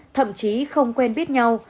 thậm chí không quen biết nhau